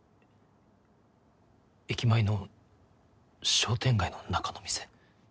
駅前の商店街の中の店？